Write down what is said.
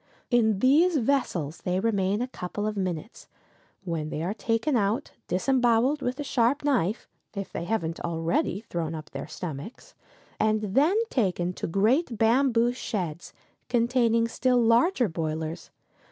In these vessels they remain a couple of minutes, when they are taken out, disemboweled with a sharp knife, if they haven't already thrown up their stomachs, and then taken to great bamboo sheds containing still larger boilers.